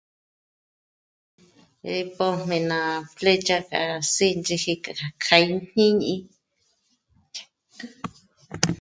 'é pójme ná flecha ká sínchíji k'á ijñîñi